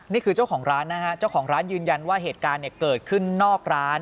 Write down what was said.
นี่คือเจ้าของร้านนะฮะเจ้าของร้านยืนยันว่าเหตุการณ์เกิดขึ้นนอกร้าน